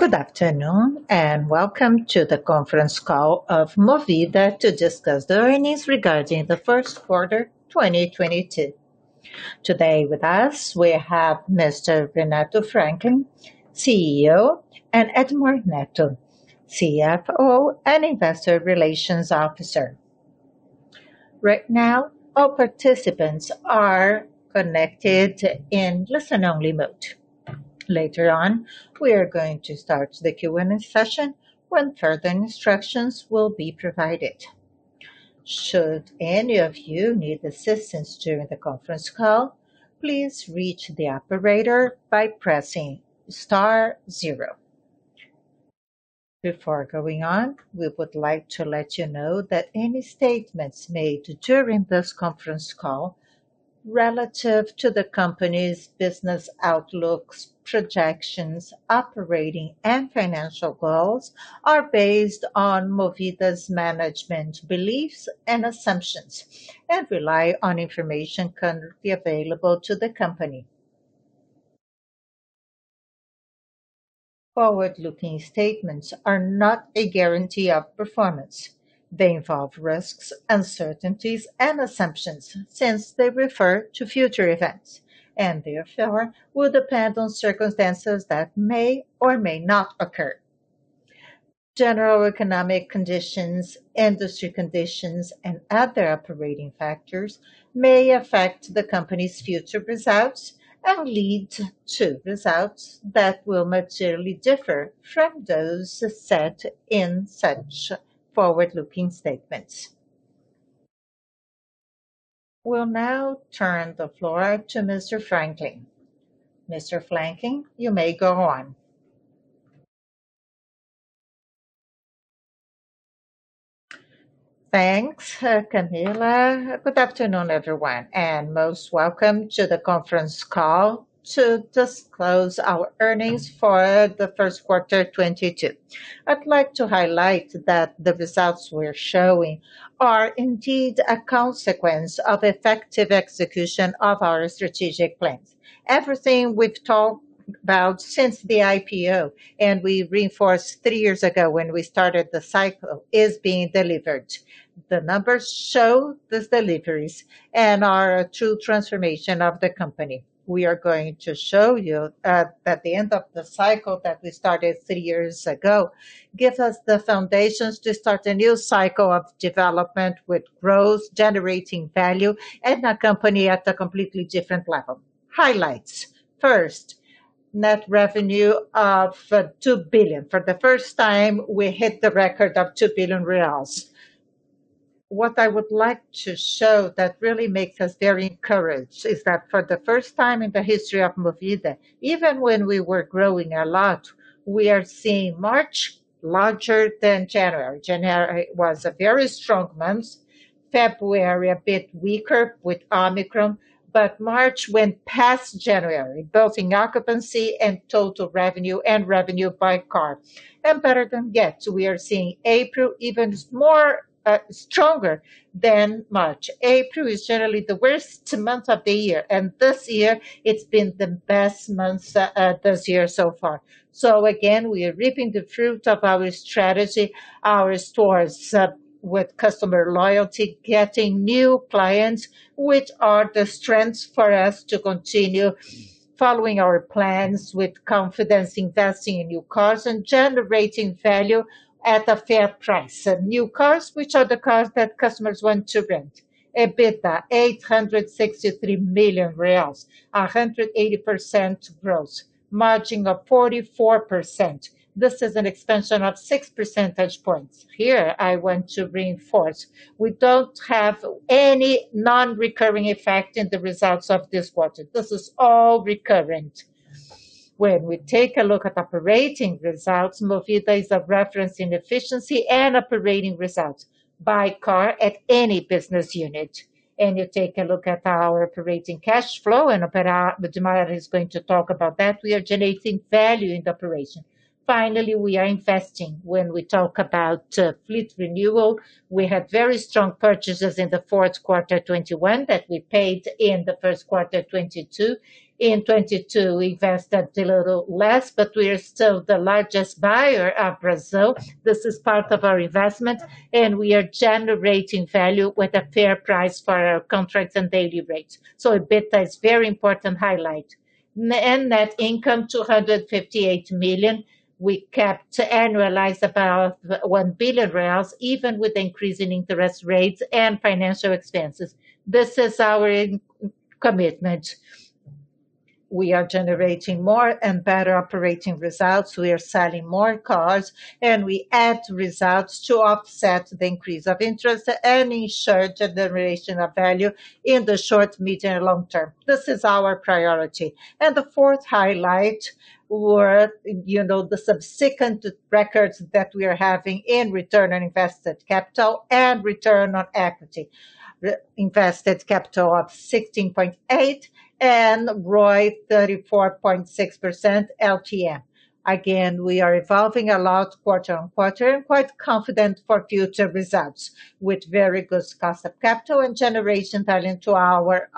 Good afternoon, and welcome to the conference call of Movida to discuss the earnings regarding the first quarter 2022. Today with us, we have Mr. Renato Franklin, CEO, and Edmar Neto, CFO and Investor Relations Officer. Right now, all participants are connected in listen only mode. Later on, we are going to start the Q&A session when further instructions will be provided. Should any of you need assistance during the conference call, please reach the operator by pressing star zero. Before going on, we would like to let you know that any statements made during this conference call relative to the company's business outlooks, projections, operating, and financial goals are based on Movida's management beliefs and assumptions, and rely on information currently available to the company. Forward-looking statements are not a guarantee of performance. They involve risks, uncertainties, and assumptions since they refer to future events, and therefore, will depend on circumstances that may or may not occur. General economic conditions, industry conditions, and other operating factors may affect the company's future results and lead to results that will materially differ from those set in such forward-looking statements. We'll now turn the floor to Mr. Franklin. Mr. Franklin, you may go on. Thanks, Camilla. Good afternoon, everyone, and most welcome to the conference call to disclose our earnings for the first quarter 2022. I'd like to highlight that the results we're showing are indeed a consequence of effective execution of our strategic plans. Everything we've talked about since the IPO, and we reinforced three years ago when we started the cycle, is being delivered. The numbers show these deliveries and our true transformation of the company. We are going to show you at the end of the cycle that we started three years ago, gives us the foundations to start a new cycle of development with growth, generating value, and a company at a completely different level. Highlights. First, net revenue of 2 billion. For the first time, we hit the record of 2 billion reais. What I would like to show that really makes us very encouraged is that for the first time in the history of Movida, even when we were growing a lot, we are seeing March larger than January. January was a very strong month, February a bit weaker with Omicron, but March went past January, both in occupancy and total revenue and revenue by car. Better yet, we are seeing April even stronger than March. April is generally the worst month of the year, and this year it's been the best month, this year so far. Again, we are reaping the fruit of our strategy, our stores, with customer loyalty, getting new clients, which are the strengths for us to continue following our plans with confidence, investing in new cars, and generating value at a fair price. New cars, which are the cars that customers want to rent. EBITDA, 863 million reais, 180% growth. Margin of 44%. This is an expansion of six percentage points. Here I want to reinforce, we don't have any non-recurring effect in the results of this quarter. This is all recurring. When we take a look at operating results, Movida is a reference in efficiency and operating results by car at any business unit. You take a look at our operating cash flow, Edmar is going to talk about that. We are generating value in the operation. Finally, we are investing. When we talk about fleet renewal, we had very strong purchases in the fourth quarter 2021 that we paid in the first quarter 2022. In 2022, we invested a little less, but we are still the largest buyer in Brazil. This is part of our investment, and we are generating value with a fair price for our contracts and daily rates. EBITDA is very important highlight. Net income 258 million. We kept to annualize about 1 billion reais, even with increasing interest rates and financial expenses. This is our commitment. We are generating more and better operating results. We are selling more cars, and we add results to offset the increase of interest and ensure the generation of value in the short, medium, and long term. This is our priority. The fourth highlight were, you know, the subsequent records that we are having in return on invested capital and return on equity. ROIC of 16.8 and ROE 34.6% LTM. Again, we are evolving a lot quarter-on-quarter, quite confident for future results with very good cost of capital and generation value to our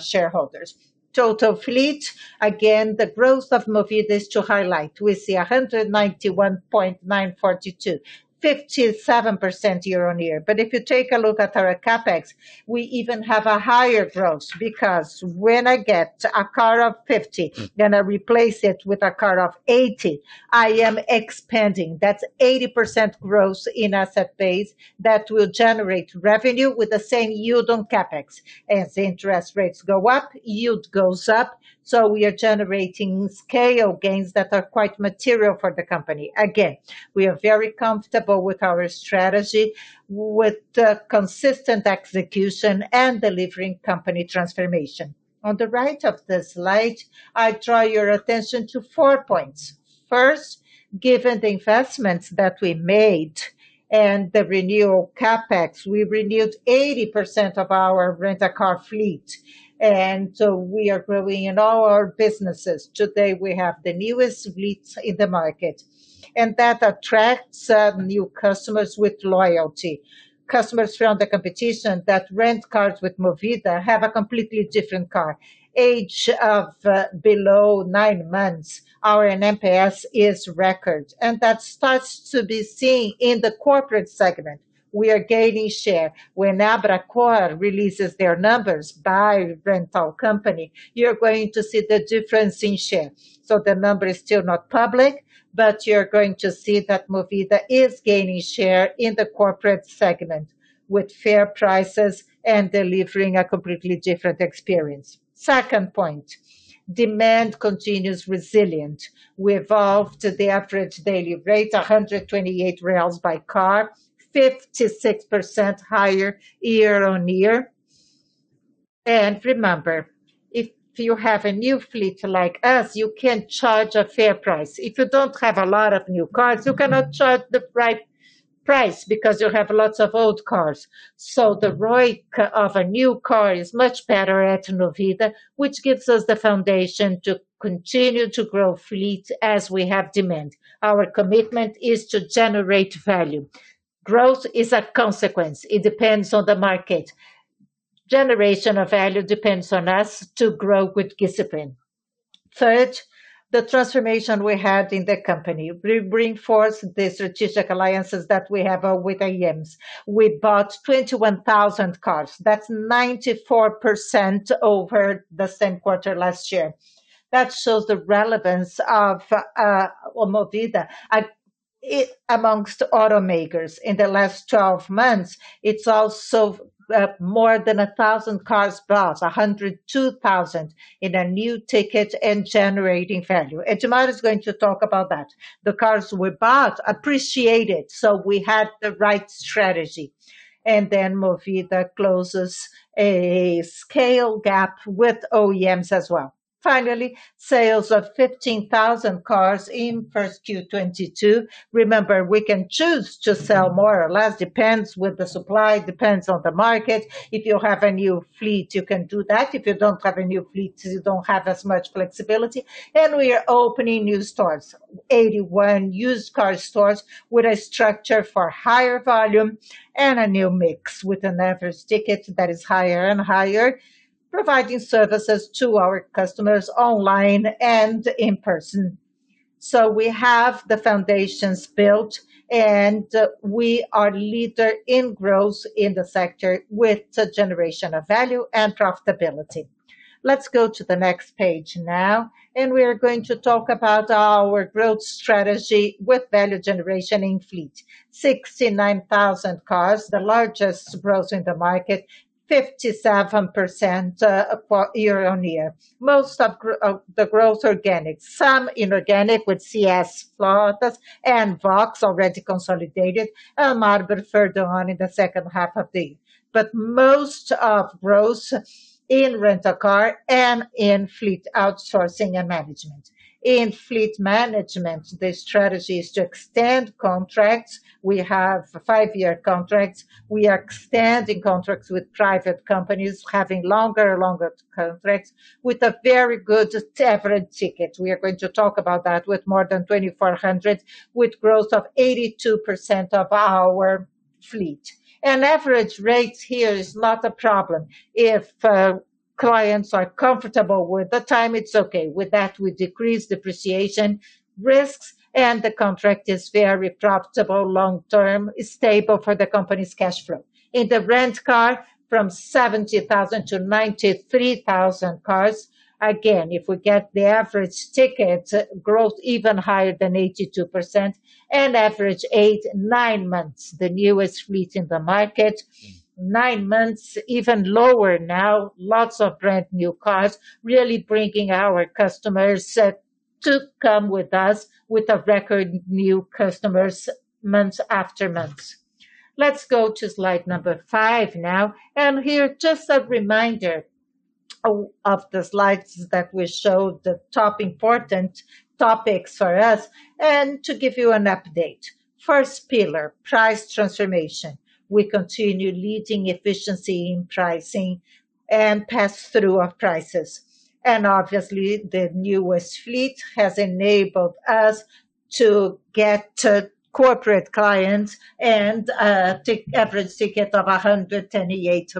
shareholders. Total fleet, again, the growth of Movida is to highlight. We see 191,942, 57% year-on-year. If you take a look at our CapEx, we even have a higher growth because when I get a car of fifty. Mm. I replace it with a car of 80%, I am expanding. That's 80% growth in asset base that will generate revenue with the same yield on CapEx. As interest rates go up, yield goes up, so we are generating scale gains that are quite material for the company. Again, we are very comfortable with our strategy with the consistent execution and delivering company transformation. On the right of the slide, I draw your attention to four points. First, given the investments that we made and the renewal CapEx, we renewed 80% of our Rent-a-Car fleet, and so we are growing in all our businesses. Today, we have the newest fleets in the market, and that attracts new customers with loyalty. Customers from the competition that rent cars with Movida have a completely different car age of below nine months. Our NPS is record, and that starts to be seen in the corporate segment. We are gaining share. When ABLA releases their numbers by rental company, you're going to see the difference in share. The number is still not public, but you're going to see that Movida is gaining share in the corporate segment with fair prices and delivering a completely different experience. Second point, demand continues resilient. We evolved the average daily rate, 128 by car, 56% higher year-on-year. Remember, if you have a new fleet like us, you can charge a fair price. If you don't have a lot of new cars, you cannot charge the right price because you have lots of old cars. The ROI of a new car is much better at Movida, which gives us the foundation to continue to grow fleet as we have demand. Our commitment is to generate value. Growth is a consequence. It depends on the market. Generation of value depends on us to grow with discipline. Third, the transformation we had in the company reinforce the strategic alliances that we have with OEMs. We bought 21,000 cars. That's 94% over the same quarter last year. That shows the relevance of Movida among automakers. In the last 12 months, it's also more than a thousand cars bought, 102,000 in a new ticket and generating value. Edmar is going to talk about that. The cars we bought appreciated, so we had the right strategy. Movida closes a scale gap with OEMs as well. Finally, sales of 15,000 cars in 1Q 2022. Remember, we can choose to sell more or less, depends on the supply, depends on the market. If you have a new fleet, you can do that. If you don't have a new fleet, you don't have as much flexibility. We are opening new stores. 81 used car stores with a structure for higher volume and a new mix with an average ticket that is higher and higher, providing services to our customers online and in person. We have the foundations built, and we are leader in growth in the sector with the generation of value and profitability. Let's go to the next page now, and we are going to talk about our growth strategy with value generation in fleet. 69,000 cars, the largest growth in the market, 57% year-on-year. Most of the growth organic. Some inorganic with CS Frotas and Vox already consolidated. Edmar Neto will refer to one in the second half of the year. Most of growth in rent a car and in fleet outsourcing and management. In fleet management, the strategy is to extend contracts. We have five-year contracts. We are extending contracts with private companies, having longer and longer contracts with a very good average ticket. We are going to talk about that with more than 2,400, with growth of 82% of our fleet. Average rates here is not a problem. If clients are comfortable with the time, it's okay. With that, we decrease depreciation risks, and the contract is very profitable long term, stable for the company's cash flow. In the rent car from 70,000 to 93,000 cars. Again, if we get the average ticket growth even higher than 82% and average age nine months, the newest fleet in the market. Nine months even lower now. Lots of brand new cars, really bringing our customers to come with us with a record new customers month after month. Let's go to slide number five now. Here, just a reminder of the slides that we showed, the top important topics for us and to give you an update. First pillar, price transformation. We continue leading efficiency in pricing and pass-through of prices. Obviously, the newest fleet has enabled us to get to corporate clients and ticket average ticket of BRL 188.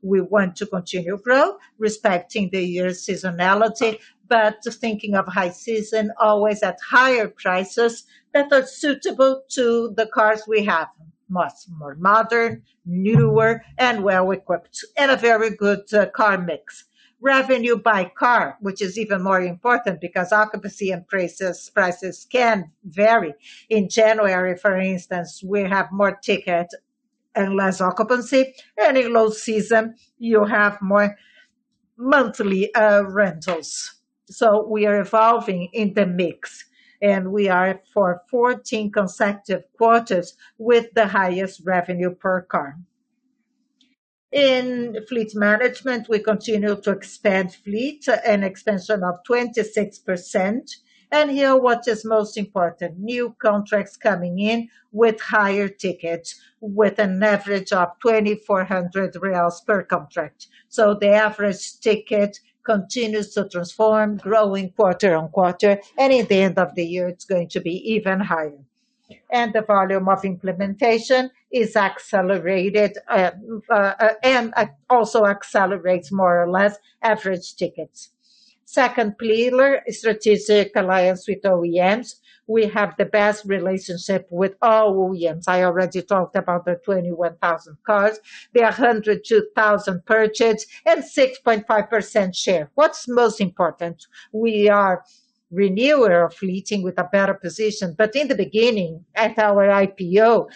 We want to continue grow, respecting the year seasonality, but thinking of high season always at higher prices that are suitable to the cars we have. Much more modern, newer, and well-equipped, and a very good car mix. Revenue by car, which is even more important because occupancy and prices can vary. In January, for instance, we have more ticket and less occupancy. In low season, you have more monthly rentals. We are evolving in the mix, and we are for 14 consecutive quarters with the highest revenue per car. In fleet management, we continue to expand fleet, an expansion of 26%. Here what is most important, new contracts coming in with higher tickets, with an average of 2,400 reais per contract. The average ticket continues to transform, growing quarter-over-quarter. At the end of the year, it's going to be even higher. The volume of implementation is accelerated, and also accelerates more or less average tickets. Second pillar, strategic alliance with OEMs. We have the best relationship with all OEMs. I already talked about the 21,000 cars. There are 102,000 purchased and 6.5% share. What's most important, we are renewer of fleet with a better position. In the beginning, at our IPO,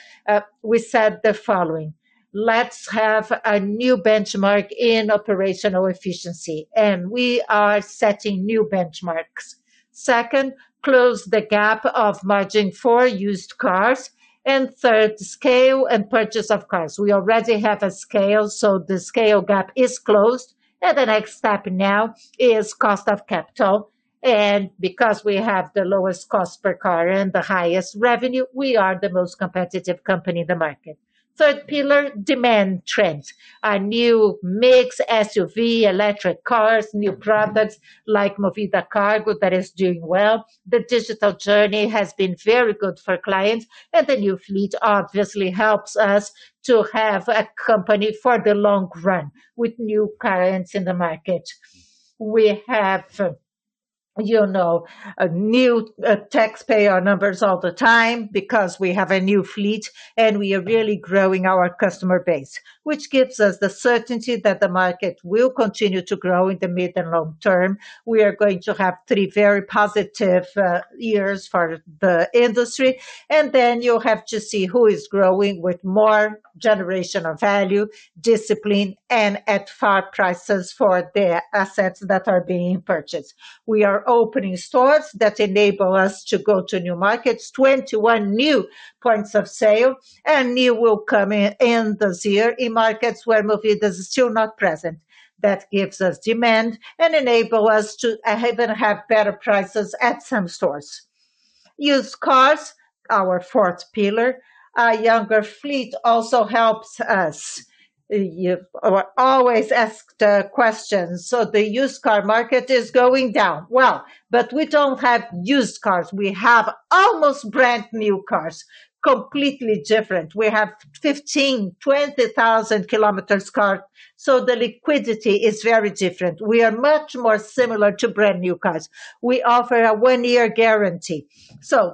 we said the following: Let's have a new benchmark in operational efficiency, and we are setting new benchmarks. Second, close the gap of margin for used cars. Third, scale and purchase of cars. We already have a scale, so the scale gap is closed, and the next step now is cost of capital. Because we have the lowest cost per car and the highest revenue, we are the most competitive company in the market. Third pillar, demand trends. Our new mix, SUV, electric cars, new products like Movida Cargo that is doing well. The digital journey has been very good for clients, and the new fleet obviously helps us to have a company for the long run with new clients in the market. We have, you know, new taxpayer numbers all the time because we have a new fleet, and we are really growing our customer base, which gives us the certainty that the market will continue to grow in the mid and long term. We are going to have three very positive years for the industry. You have to see who is growing with more generation of value, discipline, and at fair prices for the assets that are being purchased. We are opening stores that enable us to go to new markets. 21 new points of sale and more will come in this year in markets where Movida is still not present. That gives us demand and enable us to even have better prices at some stores. Used cars, our fourth pillar. Our younger fleet also helps us. You always ask the questions. The used car market is going down. Well, but we don't have used cars. We have almost brand-new cars, completely different. We have 15, 20,000 kilometers car, so the liquidity is very different. We are much more similar to brand-new cars. We offer a one-year guarantee.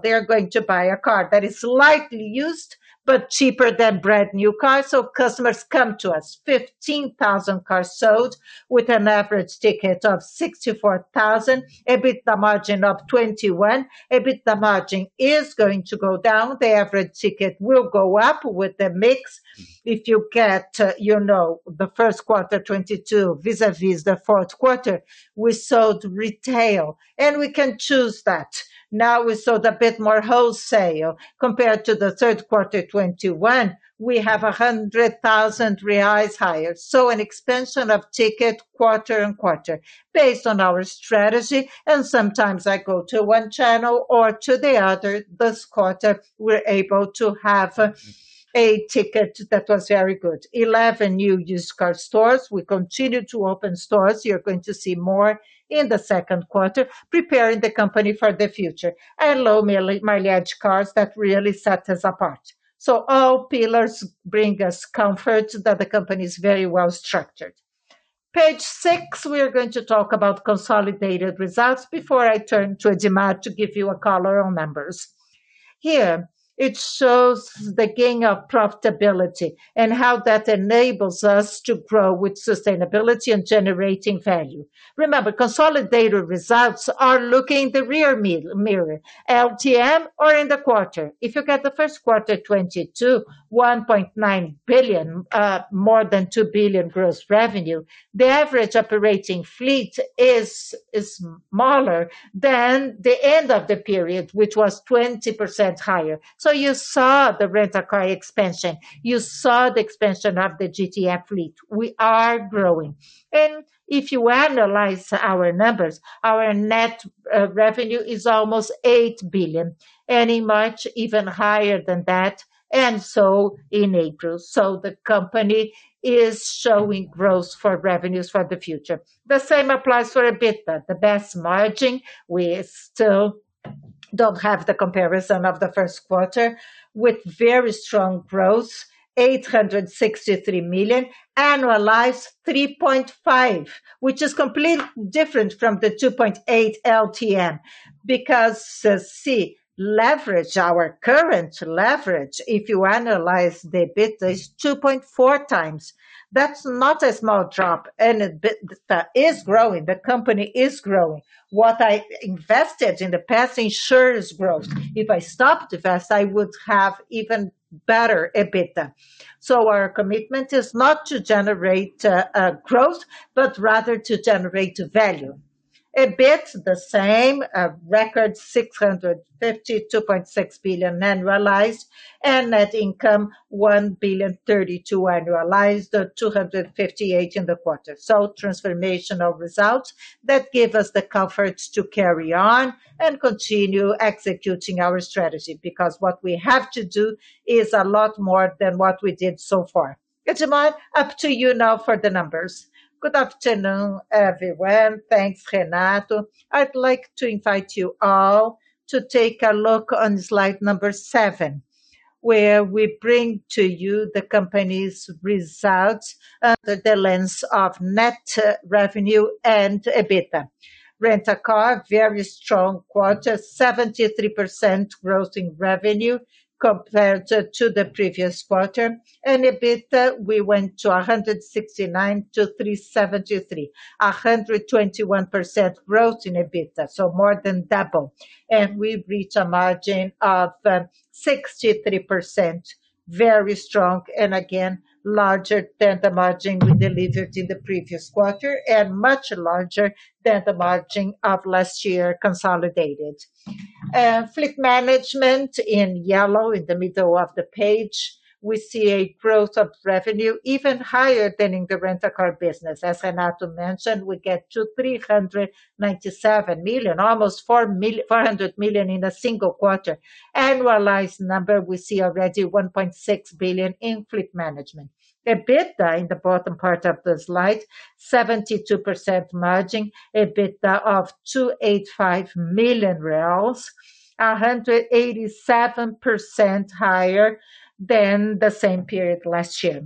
They are going to buy a car that is slightly used but cheaper than brand-new cars, so customers come to us. 15,000 cars sold with an average ticket of 64,000, EBITDA margin of 21%. EBITDA margin is going to go down. The average ticket will go up with the mix. If you get, you know, the first quarter 2022 vis-a-vis the fourth quarter, we sold retail, and we can choose that. Now we sold a bit more wholesale compared to the third quarter 2021, we have 100,000 reais higher. An expansion of ticket quarter-over-quarter based on our strategy, and sometimes I go to one channel or to the other. This quarter, we're able to have a ticket that was very good. 11 new used car stores. We continue to open stores. You're going to see more in the second quarter, preparing the company for the future. Low-mileage cars that really set us apart. All pillars bring us comfort that the company is very well structured. Page six, we are going to talk about consolidated results before I turn to Edmar to give you a color on numbers. Here it shows the gain of profitability and how that enables us to grow with sustainability and generating value. Remember, consolidated results are looking in the rearview mirror, LTM or in the quarter. If you get the first quarter 2022, 1.9 billion, more than 2 billion gross revenue, the average operating fleet is smaller than the end of the period, which was 20% higher. You saw the Rent-a-Car expansion. You saw the expansion of the GTF fleet. We are growing. If you analyze our numbers, our net revenue is almost 8 billion. In March even higher than that, and so in April. The company is showing growth for revenues for the future. The same applies for EBITDA, the best margin. We still don't have the comparison of the first quarter with very strong growth, 863 million, annualized 3.5, which is completely different from the 2.8 LTM. Our current leverage, if you analyze the EBITDA, is 2.4x. That's not a small drop. EBITDA is growing, the company is growing. What I invested in the past ensures growth. If I stopped invest, I would have even better EBITDA. Our commitment is not to generate growth, but rather to generate value. EBIT the same, record 650 million, 2.6 billion annualized, and net income 1.032 billion annualized, 258 million in the quarter. Transformational results that give us the comfort to carry on and continue executing our strategy, because what we have to do is a lot more than what we did so far. Edmar Neto, up to you now for the numbers. Good afternoon, everyone. Thanks, Renato Franklin. I'd like to invite you all to take a look on slide number seven, where we bring to you the company's results under the lens of net revenue and EBITDA. Rent-a-Car, very strong quarter, 73% growth in revenue compared to the previous quarter. EBITDA, we went to 169 to 373. 121% growth in EBITDA, so more than double. We've reached a margin of 63%. Very strong and again, larger than the margin we delivered in the previous quarter and much larger than the margin of last year consolidated. Fleet Management in yellow in the middle of the page, we see a growth of revenue even higher than in the Rent-a-Car business. As Renato mentioned, we get to 397 million, almost 400 million in a single quarter. Annualized number, we see already 1.6 billion in Fleet Management. EBITDA in the bottom part of the slide, 72% margin. EBITDA of 285 million, 187% higher than the same period last year.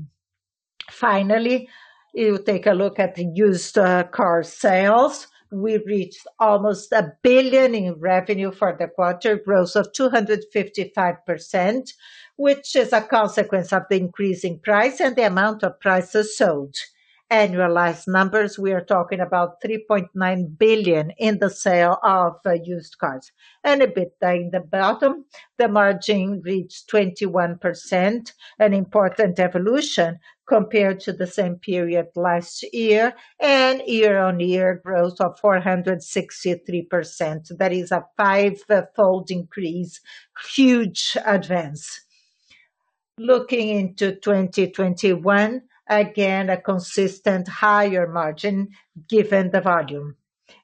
Finally, you take a look at the used car sales. We reached almost 1 billion in revenue for the quarter, growth of 255%, which is a consequence of the increase in price and the amount of cars sold. Annualized numbers, we are talking about 3.9 billion in the sale of used cars. EBITDA in the bottom, the margin reached 21%, an important evolution compared to the same period last year and year-on-year growth of 463%. That is a five-fold increase. Huge advance. Looking into 2021, again, a consistent higher margin given the volume.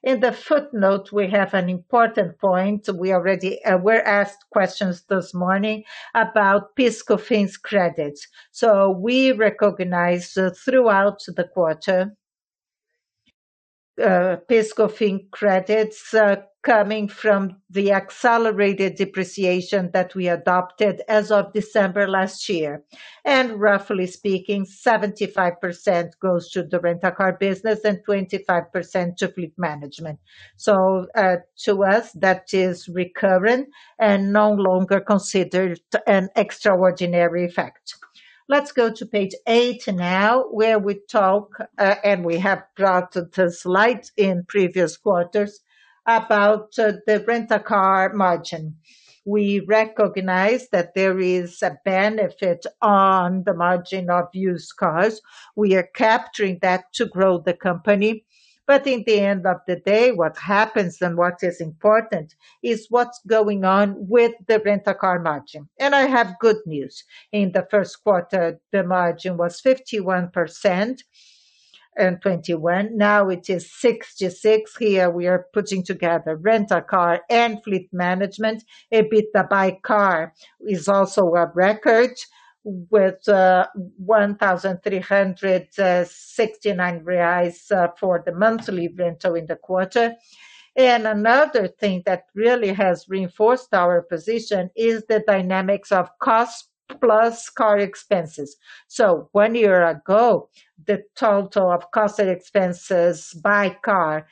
In the footnote, we have an important point. We already, we were asked questions this morning about PIS/Cofins credits. So we recognize throughout the quarter, PIS/Cofins credits, coming from the accelerated depreciation that we adopted as of December last year. Roughly speaking, 75% goes to the Rent-a-Car business and 25% to Fleet Management. So, to us, that is recurrent and no longer considered an extraordinary effect. Let's go to page eight now, where we talk, and we have brought the slide in previous quarters about, the Rent-a-Car margin. We recognize that there is a benefit on the margin of used cars. We are capturing that to grow the company. At the end of the day, what happens and what is important is what's going on with the Rent-a-Car margin. I have good news. In the first quarter, the margin was 51% in 2021. Now it is 66%. Here we are putting together Rent-a-Car and Fleet Management. EBITDA by car is also a record with 1,369 reals for the monthly rental in the quarter. Another thing that really has reinforced our position is the dynamics of cost plus car expenses. One year ago, the total of cost and expenses by car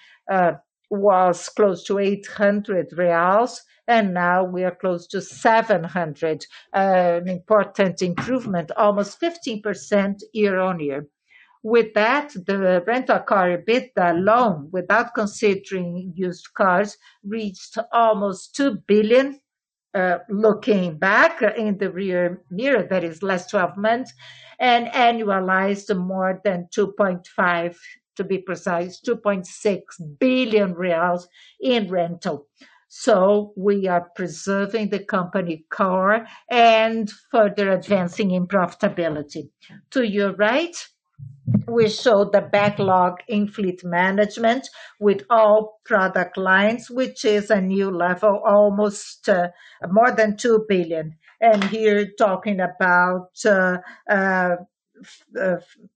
was close to 800 reals, and now we are close to 700. An important improvement, almost 15% year-over-year. With that, the Rent-a-Car EBITDA alone, without considering used cars, reached almost 2 billion. Looking back in the rearview mirror, that is last 12 months, and annualized more than 2.5, to be precise, 2.6 billion reais in rental. We are preserving the company core and further advancing in profitability. To your right, we show the backlog in fleet management with all product lines, which is a new level, almost more than 2 billion. Here talking about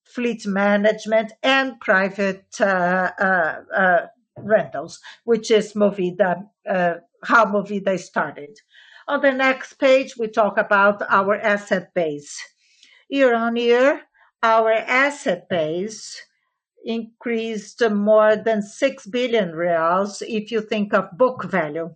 fleet management and private rentals, which is Movida, how Movida started. On the next page, we talk about our asset base. Year-on-year, our asset base increased more than 6 billion reais if you think of book value.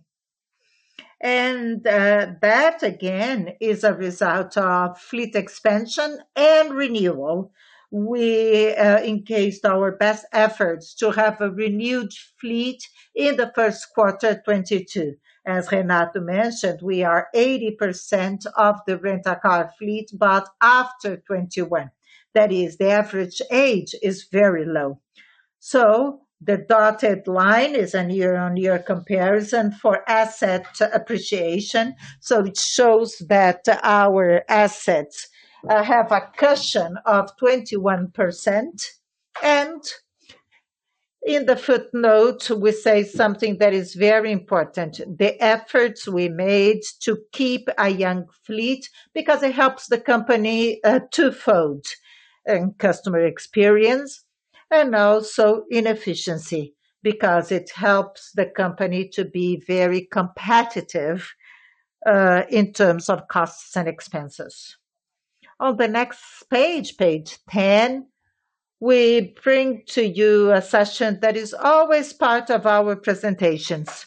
That again is a result of fleet expansion and renewal. We enhanced our best efforts to have a renewed fleet in the first quarter 2022. As Renato mentioned, we are 80% of the Rent-a-Car fleet, but after 21, that is, the average age is very low. The dotted line is a year-on-year comparison for asset appreciation, so it shows that our assets have a cushion of 21%. In the footnote, we say something that is very important. The efforts we made to keep a young fleet because it helps the company twofold in customer experience and also in efficiency, because it helps the company to be very competitive in terms of costs and expenses. On the next page 10, we bring to you a section that is always part of our presentations.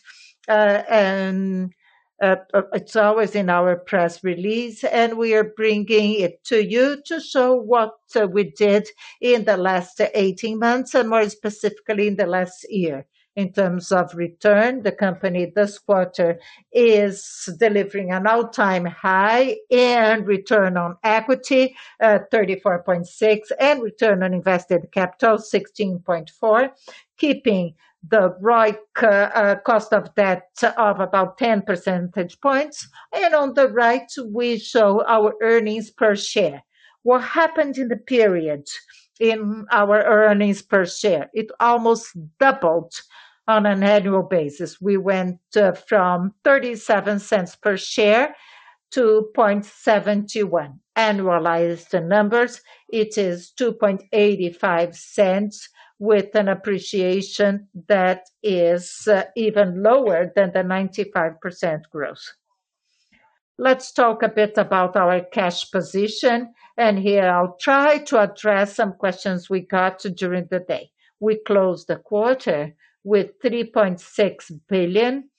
It's always in our press release, and we are bringing it to you to show what we did in the last 18 months and more specifically in the last year. In terms of return, the company this quarter is delivering an all-time high and return on equity, 34.6, and return on invested capital, 16.4, keeping the ROIC cost of debt of about 10 percentage points. On the right, we show our earnings per share. What happened in the period in our earnings per share, it almost doubled on an annual basis. We went from 0.37 per share to 0.71. Annualized numbers, it is 2.85 with an appreciation that is even lower than the 95% growth. Let's talk a bit about our cash position, and here I'll try to address some questions we got during the day. We closed the quarter with 3.6 billion,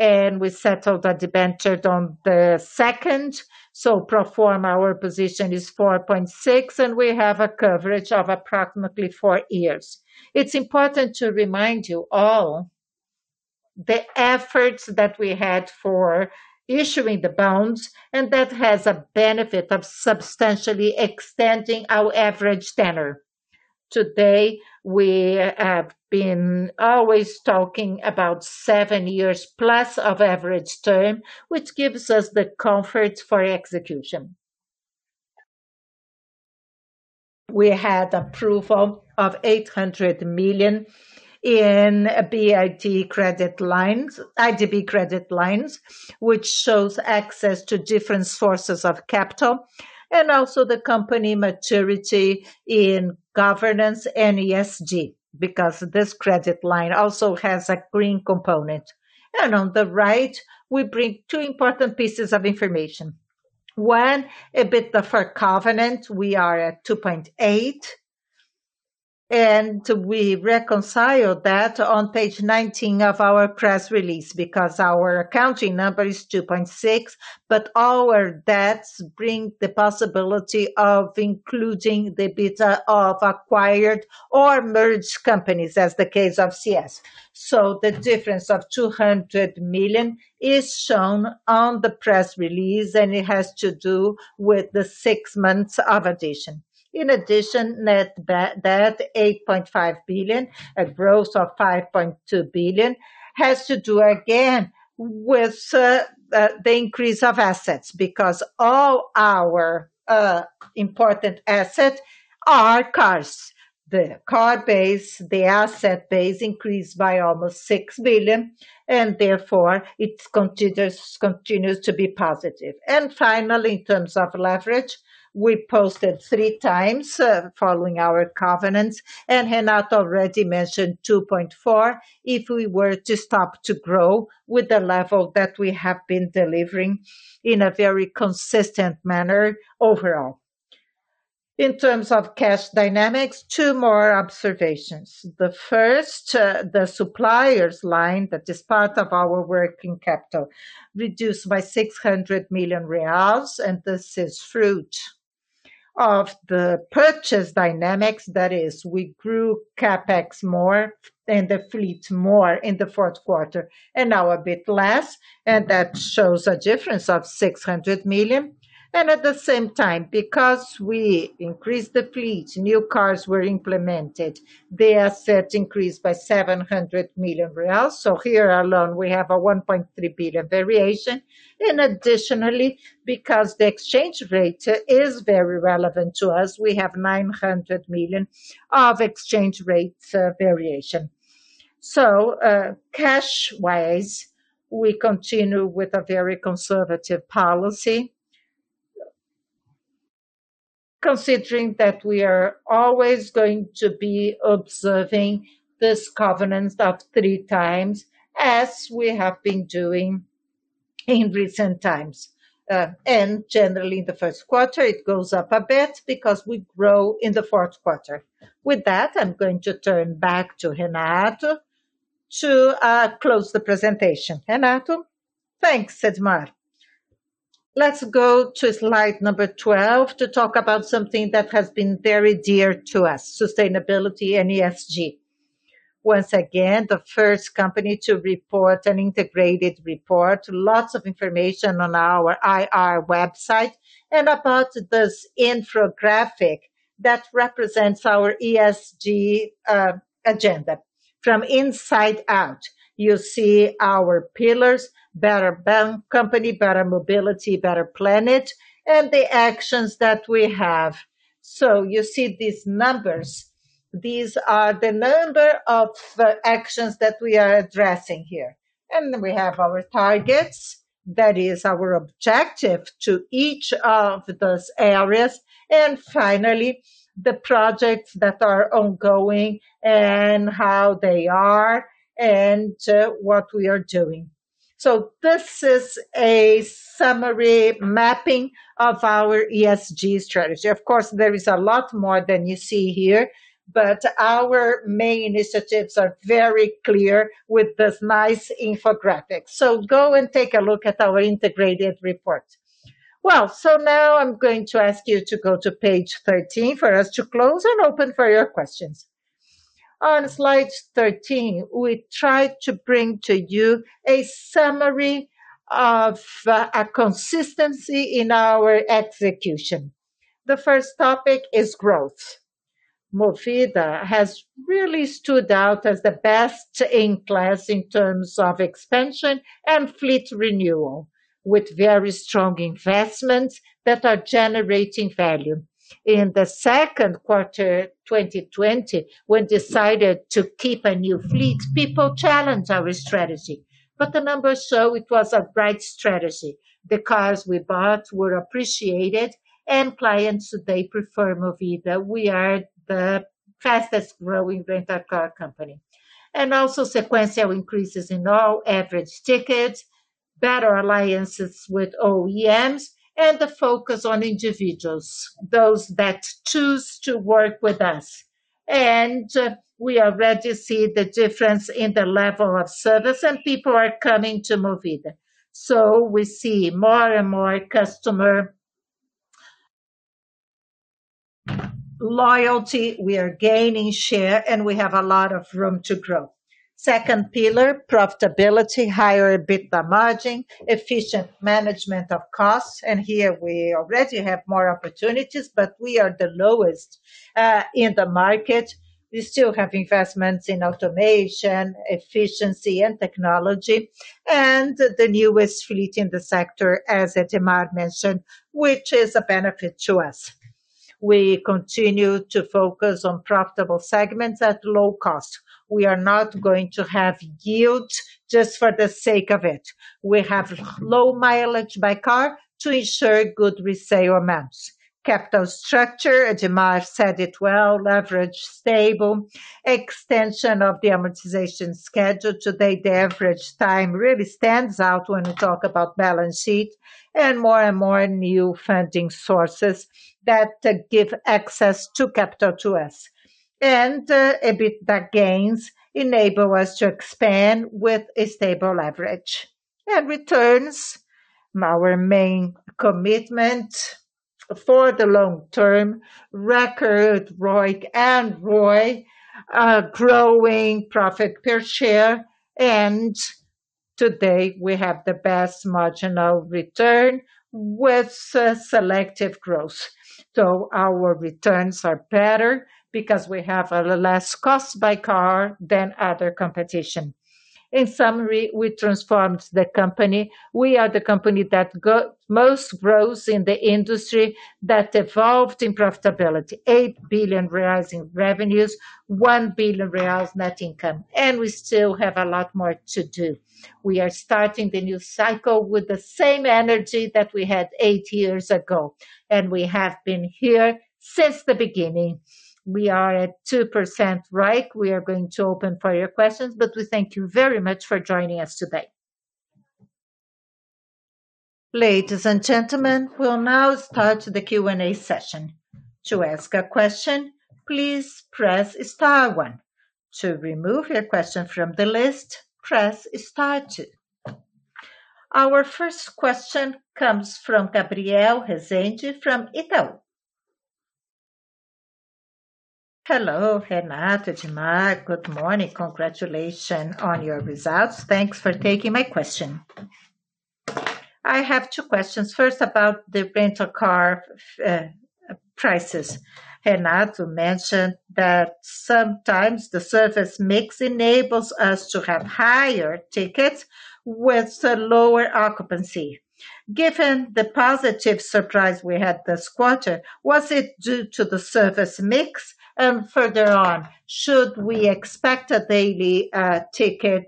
and we settled a debenture on the second. Pro forma our position is 4.6 billion, and we have a coverage of approximately four years. It's important to remind you all the efforts that we had for issuing the bonds, and that has a benefit of substantially extending our average tenor. Today, we have been always talking about 7+ years of average term, which gives us the comfort for execution. We had approval of 800 million in IDB credit lines, which shows access to different sources of capital, and also the company maturity in governance and ESG, because this credit line also has a green component. On the right, we bring two important pieces of information. One, EBITDA for covenant, we are at 2.8, and we reconcile that on page 19 of our press release because our accounting number is 2.6, but our debt's bring the possibility of including the EBITDA of acquired or merged companies as in the case of CS. The difference of 200 million is shown on the press release, and it has to do with the 6 months of addition. In addition, net debt, 8.5 billion, a growth of 5.2 billion, has to do again with the increase of assets, because all our important assets are cars. The car base, the asset base increased by almost 6 billion, and therefore it continues to be positive. Finally, in terms of leverage, we posted 3x, following our covenants, and Renato already mentioned 2.4 if we were to stop to grow with the level that we have been delivering in a very consistent manner overall. In terms of cash dynamics, two more observations. The first, the suppliers line that is part of our working capital reduced by 600 million reais, and this is fruit of the purchase dynamics, that is we grew CapEx more and the fleet more in the fourth quarter and now a bit less, and that shows a difference of 600 million. At the same time, because we increased the fleet, new cars were implemented. The asset increased by 700 million reais. So here alone we have a 1.3 billion variation. Additionally, because the exchange rate is very relevant to us, we have 900 million of exchange rate variation. Cash-wise, we continue with a very conservative policy. Considering that we are always going to be observing this covenant of three times, as we have been doing in recent times. Generally in the first quarter it goes up a bit because we grow in the fourth quarter. With that, I'm going to turn back to Renato to close the presentation. Renato. Thanks, Edmar. Let's go to slide number 12 to talk about something that has been very dear to us, sustainability and ESG. Once again, the first company to report an integrated report. Lots of information on our IR website. About this infographic that represents our ESG agenda. From inside out, you see our pillars: better company, better mobility, better planet, and the actions that we have. You see these numbers. These are the number of actions that we are addressing here. We have our targets. That is our objective to each of those areas. Finally, the projects that are ongoing and how they are and what we are doing. This is a summary mapping of our ESG strategy. Of course, there is a lot more than you see here, but our main initiatives are very clear with this nice infographic. Go and take a look at our integrated report. Now I'm going to ask you to go to page 13 for us to close and open for your questions. On slide 13, we try to bring to you a summary of a consistency in our execution. The first topic is growth. Movida has really stood out as the best in class in terms of expansion and fleet renewal, with very strong investments that are generating value. In the second quarter 2020, when we decided to keep a new fleet, people challenged our strategy. The numbers show it was a right strategy. The cars we bought were appreciated, and clients today prefer Movida. We are the fastest growing rental car company. Sequential increases in our average ticket, better alliances with OEMs, and the focus on individuals, those that choose to work with us. We already see the difference in the level of service and people are coming to Movida. We see more and more customer loyalty. We are gaining share, and we have a lot of room to grow. Second pillar, profitability. Higher EBITDA margin, efficient management of costs, and here we already have more opportunities, but we are the lowest in the market. We still have investments in automation, efficiency, and technology. The newest fleet in the sector, as Edmar mentioned, which is a benefit to us. We continue to focus on profitable segments at low cost. We are not going to have yield just for the sake of it. We have low mileage by car to ensure good resale amounts. Capital structure, Edmar said it well, leverage stable. Extension of the amortization schedule. Today, the average time really stands out when we talk about balance sheet and more and more new funding sources that give access to capital to us. EBITDA gains enable us to expand with a stable leverage. Returns, our main commitment for the long term. Record ROIC and ROI, growing profit per share, and today we have the best marginal return with selective growth. Our returns are better because we have a less cost by car than other competition. In summary, we transformed the company. We are the company that most grows in the industry that evolved in profitability. 8 billion reais in revenues, 1 billion reais net income, and we still have a lot more to do. We are starting the new cycle with the same energy that we had eight years ago, and we have been here since the beginning. We are at 2% ROIC. We are going to open for your questions, but we thank you very much for joining us today. Ladies and gentlemen, we'll now start the Q&A session. To ask a question, please press star one. To remove your question from the list, press star two. Our first question comes from Gabriel Rezende from Itaú. Hello, Renato, Edmar. Good morning. Congratulations on your results. Thanks for taking my question. I have two questions. First, about the rental car prices. Renato mentioned that sometimes the service mix enables us to have higher tickets with lower occupancy. Given the positive surprise we had this quarter, was it due to the service mix? Further on, should we expect a daily ticket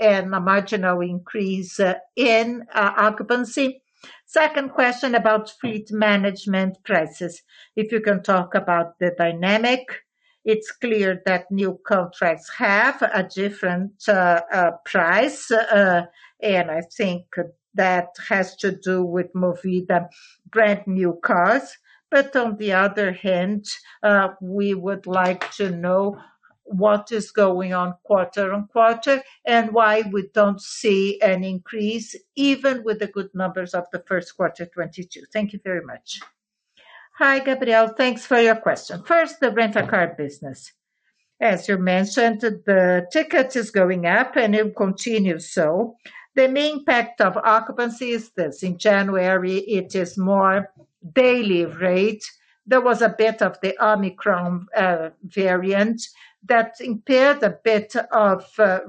and a marginal increase in occupancy? Second question about fleet management prices. If you can talk about the dynamic, it's clear that new contracts have a different price, and I think that has to do with Movida brand new cars. On the other hand, we would like to know what is going on quarter-on-quarter, and why we don't see an increase even with the good numbers of the first quarter 2022. Thank you very much. Hi, Gabriel. Thanks for your question. First, the Rent-a-Car business. As you mentioned, the ticket is going up and it continues so. The main impact of occupancy is this. In January, it is more daily rate. There was a bit of the Omicron variant that impaired a bit of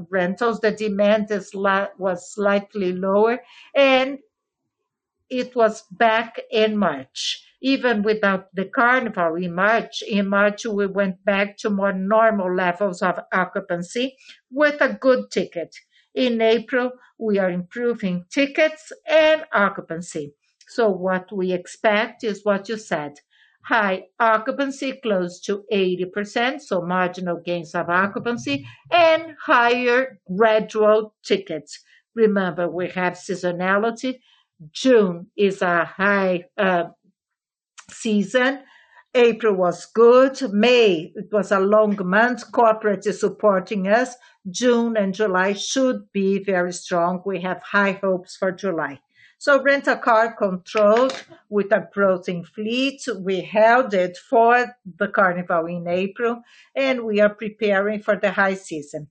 rentals. The demand was slightly lower, and it was back in March. Even without the Carnival in March, in March, we went back to more normal levels of occupancy with a good ticket. In April, we are improving tickets and occupancy. What we expect is what you said, high occupancy close to 80%, so marginal gains of occupancy and higher gradual tickets. Remember, we have seasonality. June is a high season. April was good. May, it was a long month. Corporate is supporting us. June and July should be very strong. We have high hopes for July. Rent-a-Car controlled with a growing fleet. We held it for the Carnival in April, and we are preparing for the high season.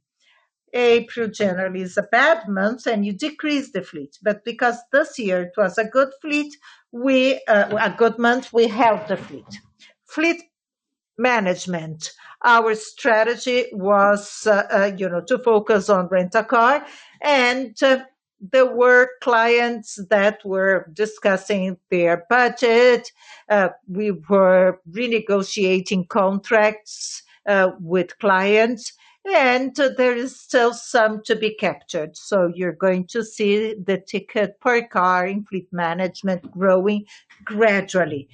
April generally is a bad month, and you decrease the fleet. Because this year it was a good fleet, we, a good month, we held the fleet. Fleet Management, our strategy was, you know, to focus on Rent-a-Car and there were clients that were discussing their budget. We were renegotiating contracts with clients, and there is still some to be captured. You're going to see the ticket per car in Fleet Management growing gradually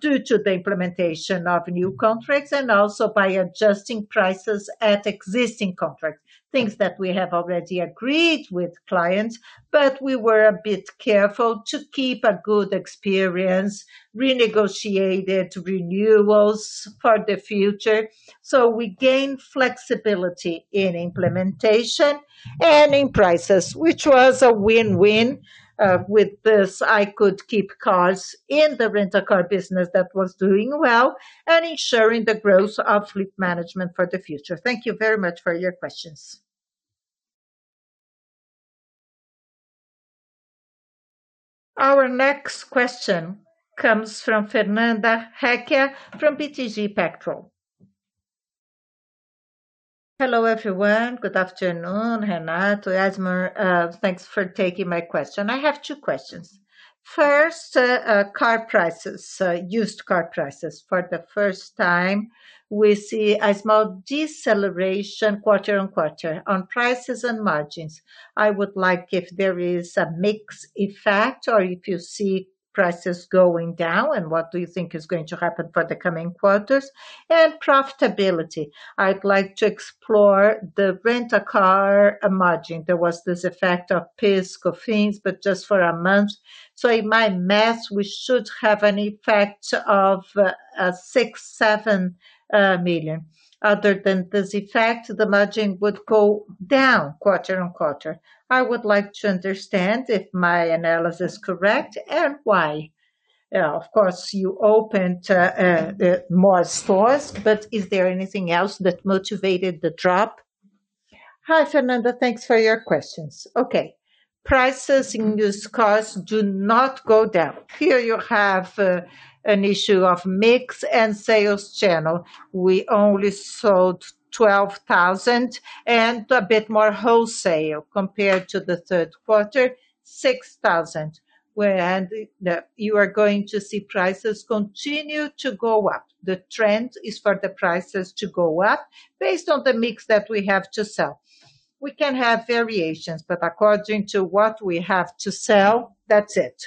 due to the implementation of new contracts and also by adjusting prices at existing contracts. Things that we have already agreed with clients, but we were a bit careful to keep a good experience, renegotiated renewals for the future. We gained flexibility in implementation and in prices, which was a win-win. With this, I could keep cars in the Rent-a-Car business that was doing well and ensuring the growth of Fleet Management for the future. Thank you very much for your questions. Our next question comes from Fernanda Recchia from BTG Pactual. Hello, everyone. Good afternoon, Renato, Edmar. Thanks for taking my question. I have two questions. First, car prices, used car prices. For the first time, we see a small deceleration quarter-on-quarter on prices and margins. I would like if there is a mix effect or if you see prices going down and what do you think is going to happen for the coming quarters. Profitability, I'd like to explore the Rent-a-Car margin. There was this effect of PIS/Cofins, but just for a month. So in my math, we should have an effect of 6 million-7 million. Other than this effect, the margin would go down quarter-on-quarter. I would like to understand if my analysis is correct and why. Of course, you opened more stores, but is there anything else that motivated the drop? Hi, Fernanda. Thanks for your questions. Okay. Prices in used cars do not go down. Here you have an issue of mix and sales channel. We only sold 12,000 and a bit more wholesale compared to the third quarter, 6,000. You are going to see prices continue to go up. The trend is for the prices to go up based on the mix that we have to sell. We can have variations, but according to what we have to sell, that's it.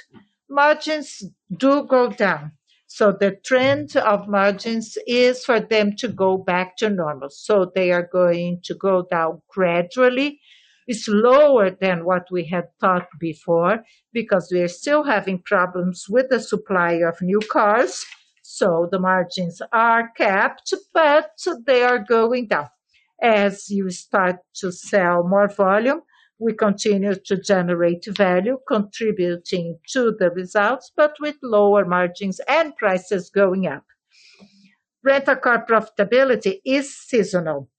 Margins do go down. The trend of margins is for them to go back to normal. They are going to go down gradually. It's lower than what we had thought before because we are still having problems with the supply of new cars. The margins are capped, but they are going down. As you start to sell more volume, we continue to generate value contributing to the results, but with lower margins and prices going up. Rental car profitability is seasonal.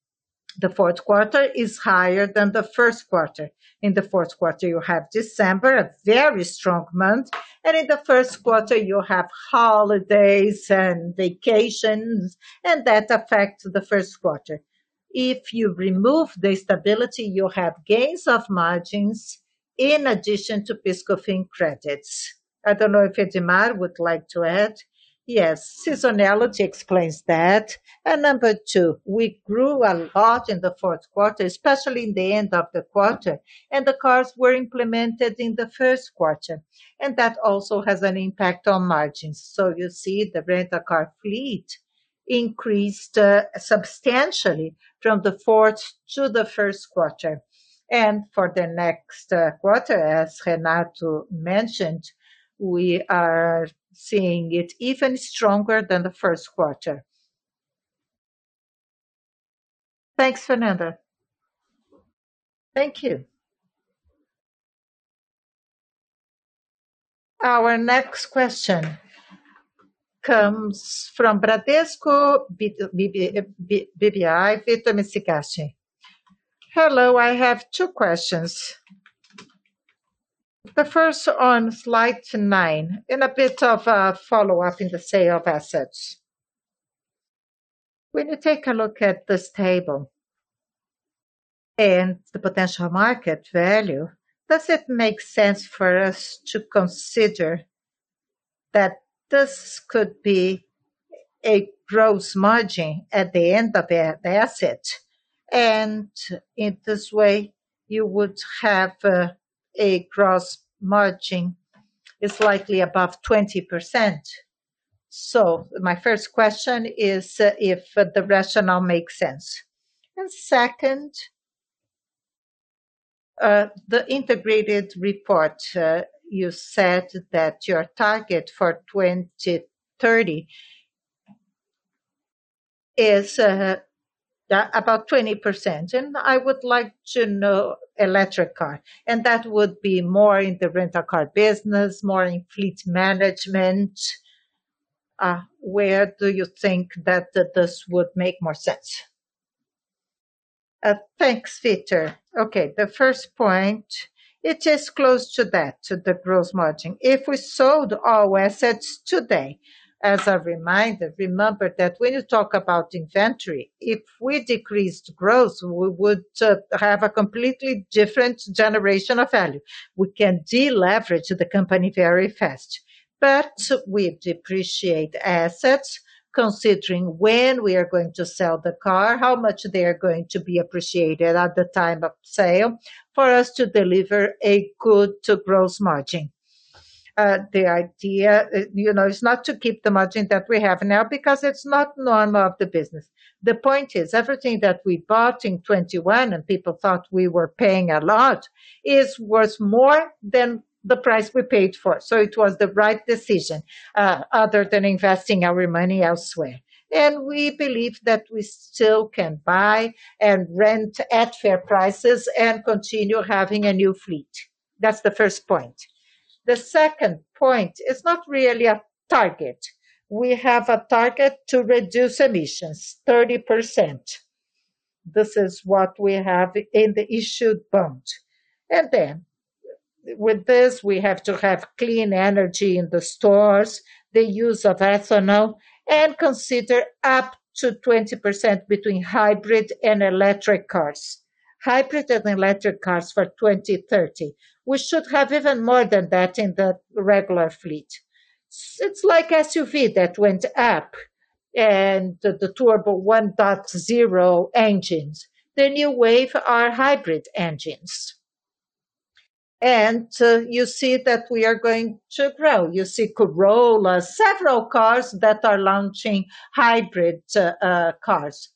The fourth quarter is higher than the first quarter. In the fourth quarter, you have December, a very strong month. In the first quarter you have holidays and vacations, and that affects the first quarter. If you remove the stability, you have gains of margins in addition to PIS/Cofins credits. I don't know if Edmar would like to add. Yes. Seasonality explains that. Number two, we grew a lot in the fourth quarter, especially in the end of the quarter, and the cars were implemented in the first quarter. That also has an impact on margins. You see the rental car fleet increased substantially from the fourth to the first quarter. For the next quarter, as Renato mentioned, we are seeing it even stronger than the first quarter. Thanks, Fernanda. Thank you. Our next question comes from Bradesco BBI, Victor Mizusaki. Hello, I have two questions. The first on slide nine, in a bit of a follow-up in the sale of assets. When you take a look at this table and the potential market value, does it make sense for us to consider that this could be a gross margin at the end of the asset, and in this way you would have a gross margin likely above 20%. My first question is if the rationale makes sense. Second, the integrated report, you said that your target for 2030 is about 20%, and I would like to know electric car, and that would be more in the rental car business, more in fleet management. Where do you think that this would make more sense? Thanks, Victor. Okay. The first point, it is close to that, to the gross margin. If we sold all assets today, as a reminder, remember that when you talk about inventory, if we decreased gross, we would have a completely different generation of value. We can deleverage the company very fast. We depreciate assets considering when we are going to sell the car, how much they are going to be appreciated at the time of sale for us to deliver a good gross margin. The idea, you know, is not to keep the margin that we have now because it's not normal of the business. The point is, everything that we bought in 2021 and people thought we were paying a lot is worth more than the price we paid for. It was the right decision, other than investing our money elsewhere. We believe that we still can buy and rent at fair prices and continue having a new fleet. That's the first point. The second point is not really a target. We have a target to reduce emissions 30%. This is what we have in the issued bond. Then with this, we have to have clean energy in the stores, the use of ethanol, and consider up to 20% between hybrid and electric cars. Hybrid and electric cars for 2030. We should have even more than that in the regular fleet. It's like SUV that went up and the turbo 1.0 engines. The new wave are hybrid engines. You see that we are going to grow. You see Corolla, several cars that are launching hybrid cars.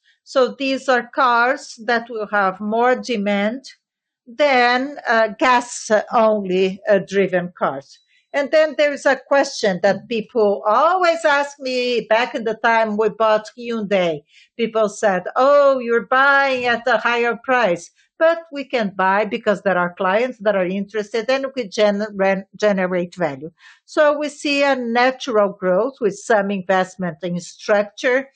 These are cars that will have more demand than gas only driven cars. Then there is a question that people always ask me back in the time we bought Hyundai. People said, "Oh, you're buying at a higher price." We can buy because there are clients that are interested and we generate value. We see a natural growth with some investment in structure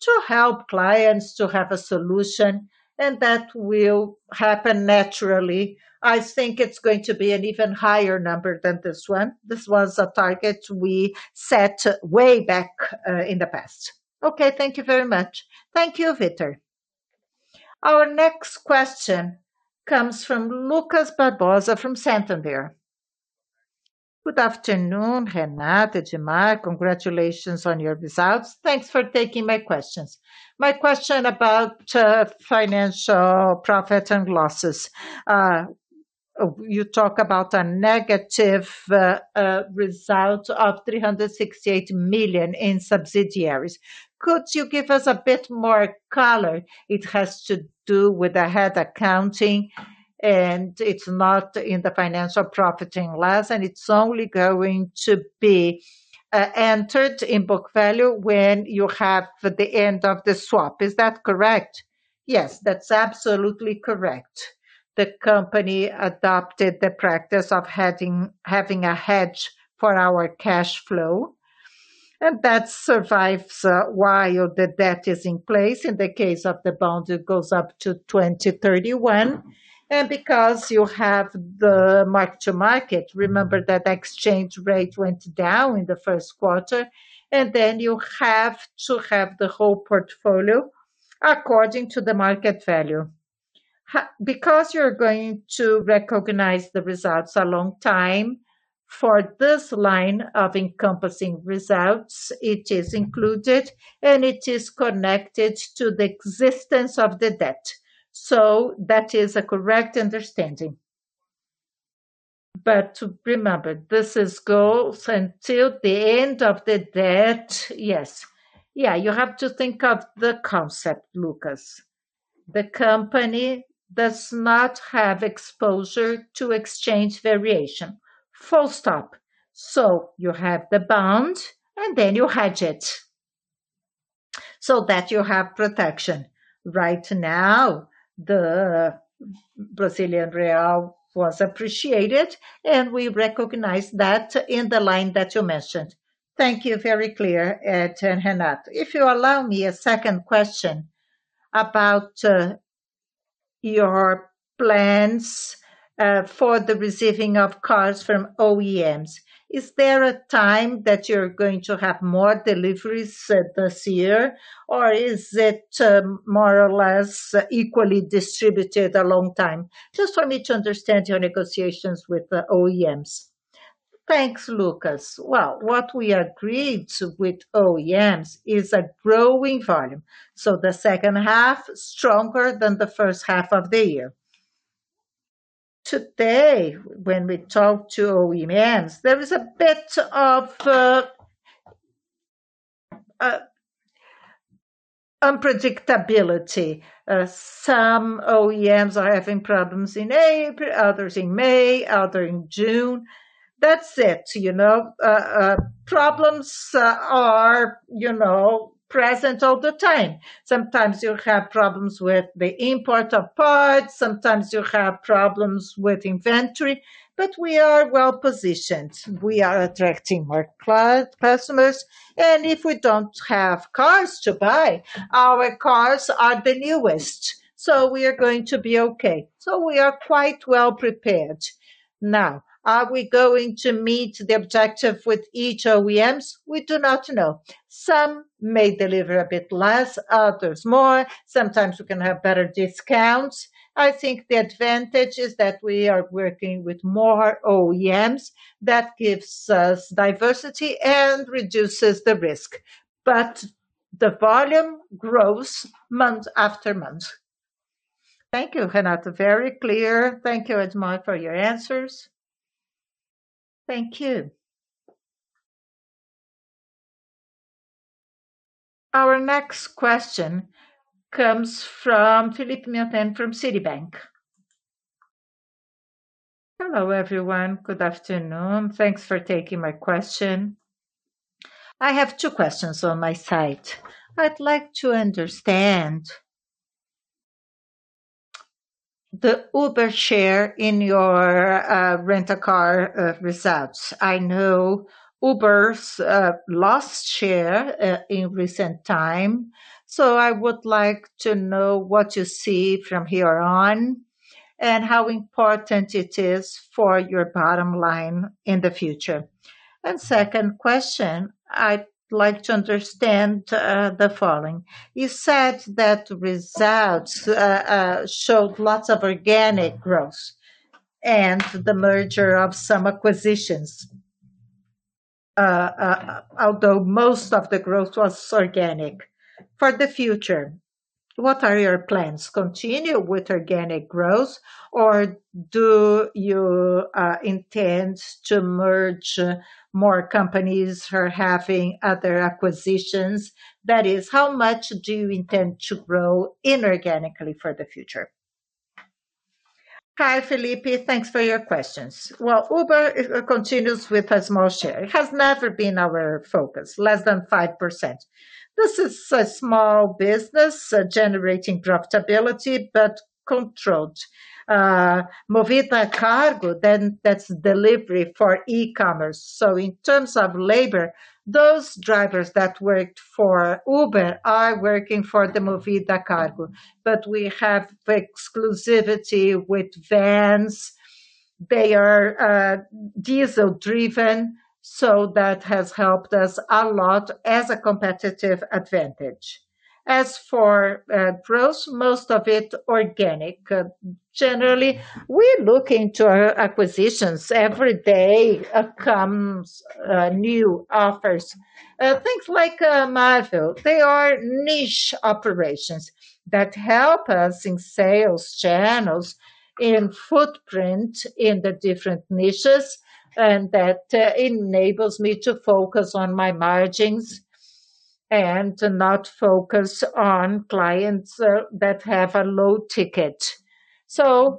to help clients to have a solution, and that will happen naturally. I think it's going to be an even higher number than this one. This was a target we set way back in the past. Okay, thank you very much. Thank you, Victor. Our next question comes from Lucas Barbosa from Santander. Good afternoon, Renato, Edmar. Congratulations on your results. Thanks for taking my questions. My question about financial profit and losses. You talk about a negative result of 368 million in subsidiaries. Could you give us a bit more color? It has to do with the hedge accounting, and it's not in the financial profit and loss, and it's only going to be entered in book value when you have the end of the swap. Is that correct? Yes, that's absolutely correct. The company adopted the practice of having a hedge for our cash flow, and that survives while the debt is in place. In the case of the bond, it goes up to 2031. Because you have the mark to market, remember that exchange rate went down in the first quarter, and then you have to have the whole portfolio according to the market value. Because you're going to recognize the results a long time for this line of encompassing results, it is included, and it is connected to the existence of the debt. That is a correct understanding. Remember, this goes until the end of the debt. Yes. Yeah, you have to think of the concept, Lucas. The company does not have exposure to exchange variation, full stop. You have the bond, and then you hedge it so that you have protection. Right now, the Brazilian real was appreciated, and we recognize that in the line that you mentioned. Thank you. Very clear, Renato. If you allow me a second question about your plans for the receiving of cars from OEMs. Is there a time that you're going to have more deliveries this year? Or is it more or less equally distributed over time? Just for me to understand your negotiations with the OEMs. Thanks, Lucas. Well, what we agreed to with OEMs is a growing volume, so the second half stronger than the first half of the year. Today when we talk to OEMs, there is a bit of unpredictability. Some OEMs are having problems in April, others in May, others in June. That's it, you know. Problems are, you know, present all the time. Sometimes you have problems with the import of parts, sometimes you have problems with inventory. But we are well-positioned. We are attracting more customers, and if we don't have cars to buy, our cars are the newest, so we are going to be okay. We are quite well prepared. Now, are we going to meet the objective with each OEM? We do not know. Some may deliver a bit less, others more. Sometimes we can have better discounts. I think the advantage is that we are working with more OEMs. That gives us diversity and reduces the risk. The volume grows month after month. Thank you, Renato. Very clear. Thank you, Edmar, for your answers. Thank you. Our next question comes from Felipe Minton from Citibank. Hello, everyone. Good afternoon. Thanks for taking my question. I have two questions on my side. I'd like to understand the Uber share in your Rent-a-Car results. I know Uber's lost share in recent time, so I would like to know what you see from here on and how important it is for your bottom line in the future. Second question, I'd like to understand the following. You said that results showed lots of organic growth and the merger of some acquisitions, although most of the growth was organic. For the future, what are your plans? Continue with organic growth, or do you intend to merge more companies or having other acquisitions? That is, how much do you intend to grow inorganically for the future? Hi, Felipe. Thanks for your questions. Well, Uber continues with a small share. It has never been our focus, less than 5%. This is a small business generating profitability but controlled. Movida Cargo, then that's delivery for e-commerce. In terms of labor, those drivers that worked for Uber are working for the Movida Cargo. We have exclusivity with vans. They are diesel-driven, so that has helped us a lot as a competitive advantage. As for growth, most of it organic. Generally, we look into our acquisitions every day, comes new offers. Things like Marbor, they are niche operations that help us in sales channels, in footprint in the different niches, and that enables me to focus on my margins and not focus on clients that have a low ticket. For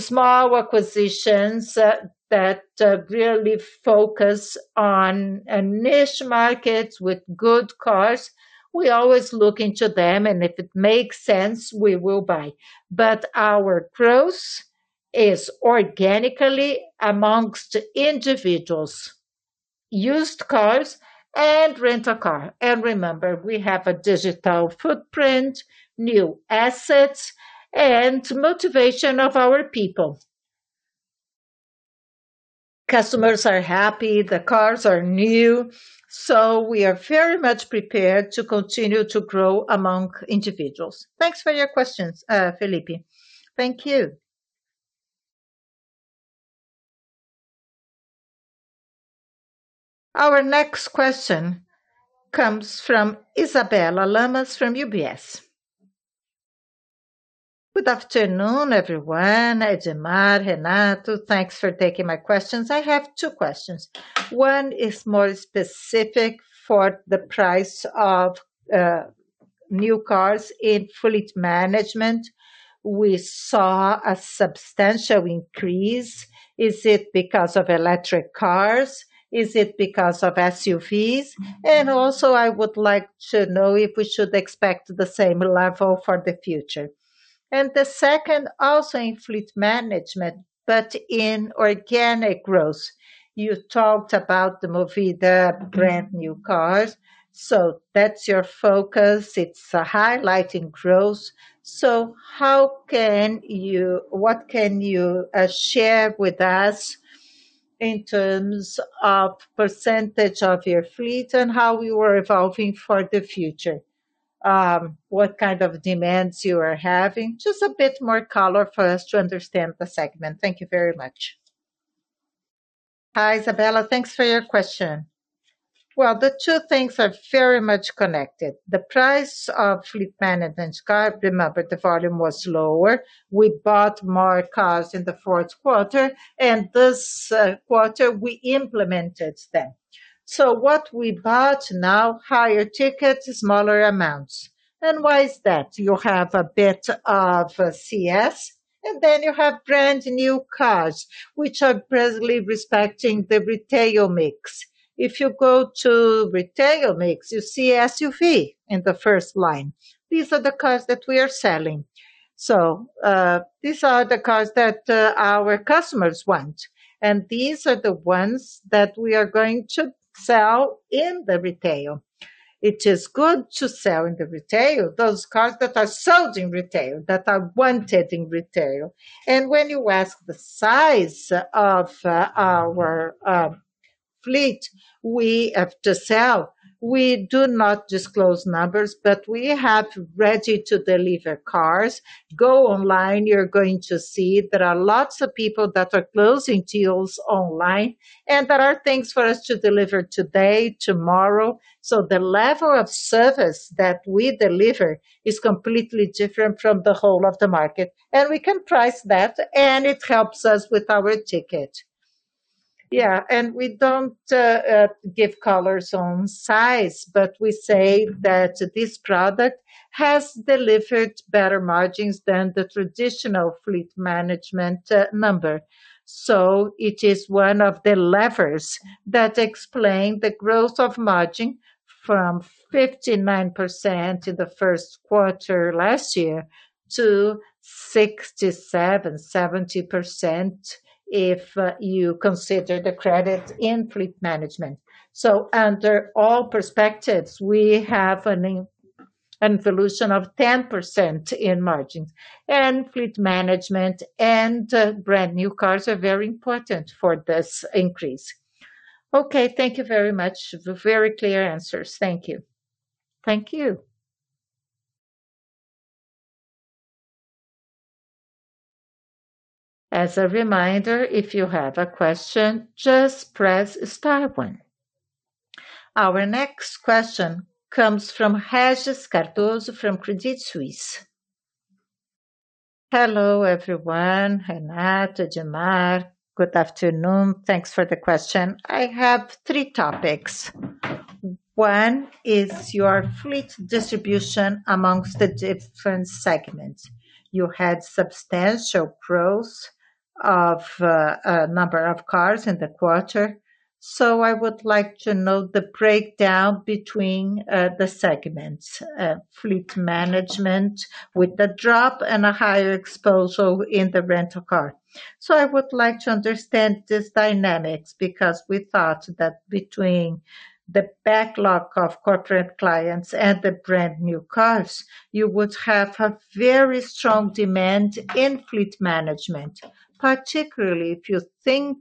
small acquisitions that really focus on a niche market with good cars, we always look into them, and if it makes sense, we will buy. Our growth is organically among individual used cars and rental car. Remember, we have a digital footprint, new assets, and motivation of our people. Customers are happy, the cars are new, so we are very much prepared to continue to grow among individuals. Thanks for your questions, Felipe. Thank you. Our next question comes from Isabella Lemos from UBS. Good afternoon, everyone. Edmar, Renato, thanks for taking my questions. I have two questions. One is more specific for the price of new cars in fleet management. We saw a substantial increase. Is it because of electric cars? Is it because of SUVs? Also, I would like to know if we should expect the same level for the future. The second, also in fleet management, but in organic growth. You talked about the Movida brand new cars, so that's your focus. It's highlighting growth. How can you... What can you share with us in terms of percentage of your fleet and how you are evolving for the future? What kind of demands you are having? Just a bit more color for us to understand the segment. Thank you very much. Hi, Isabella. Thanks for your question. Well, the two things are very much connected. The price of fleet management car, remember the volume was lower. We bought more cars in the fourth quarter, and this quarter we implemented them. What we bought now, higher ticket, smaller amounts. Why is that? You have a bit of CS, and then you have brand new cars, which are presently reflecting the retail mix. If you go to retail mix, you see SUV in the first line. These are the cars that we are selling. These are the cars that our customers want, and these are the ones that we are going to sell in the retail. It is good to sell in the retail those cars that are sold in retail, that are wanted in retail. When you ask the size of our fleet we have to sell, we do not disclose numbers, but we have ready-to-deliver cars. Go online, you're going to see there are lots of people that are closing deals online, and there are things for us to deliver today, tomorrow. The level of service that we deliver is completely different from the whole of the market, and we can price that, and it helps us with our ticket. Yeah. We don't give colors on size, but we say that this product has delivered better margins than the traditional fleet management number. So it is one of the levers that explain the growth of margin from 59% in the first quarter last year to 67%-70% if you consider the credit in fleet management. So under all perspectives, we have an evolution of 10% in margins. Fleet management and brand new cars are very important for this increase. Okay. Thank you very much. Very clear answers. Thank you. Thank you. As a reminder, if you have a question, just press star one. Our next question comes from Regis Cardoso from Credit Suisse. Hello, everyone. Renato, Edmar, good afternoon. Thanks for the question. I have three topics. One is your fleet distribution amongst the different segments. You had substantial growth of number of cars in the quarter, so I would like to know the breakdown between the segments, fleet management with the drop and a higher exposure in the rental car. I would like to understand this dynamics because we thought that between the backlog of corporate clients and the brand new cars, you would have a very strong demand in fleet management, particularly if you think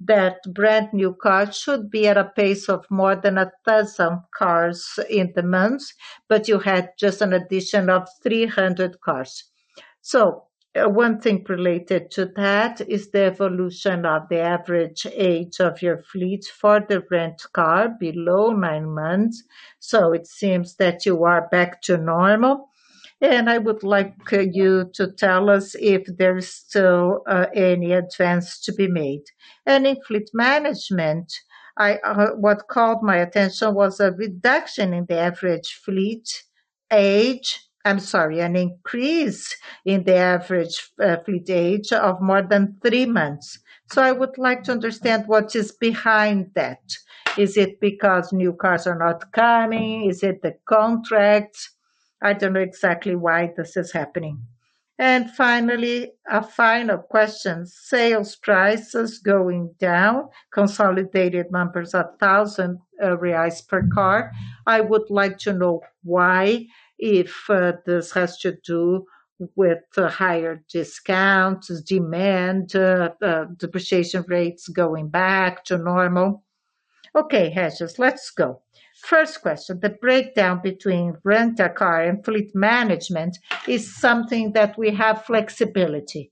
that brand new cars should be at a pace of more than 1,000 cars in the month, but you had just an addition of 300 cars. One thing related to that is the evolution of the average age of your fleet for the rent car below nine months, so it seems that you are back to normal. I would like you to tell us if there is still any advance to be made. In Fleet Management, what called my attention was an increase in the average fleet age of more than three months. I would like to understand what is behind that. Is it because new cars are not coming? Is it the contract? I don't know exactly why this is happening. Finally, a final question. Sales prices going down, consolidated numbers at 1,000 reais per car. I would like to know why, if this has to do with higher discounts, demand, depreciation rates going back to normal. Okay, Regis, let's go. First question, the breakdown between Rent-a-Car and Fleet Management is something that we have flexibility.